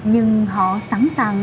nhưng họ sẵn sàng